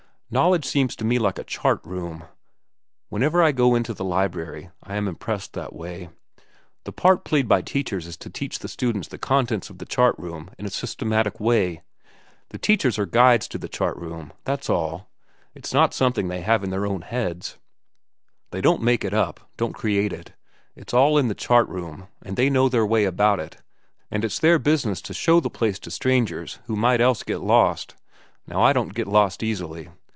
"Knowledge seems to me like a chart room. Whenever I go into the library, I am impressed that way. The part played by teachers is to teach the student the contents of the chart room in a systematic way. The teachers are guides to the chart room, that's all. It's not something that they have in their own heads. They don't make it up, don't create it. It's all in the chart room and they know their way about in it, and it's their business to show the place to strangers who might else get lost. Now I don't get lost easily.